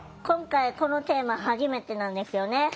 今回このテーマ初めてなんですよね？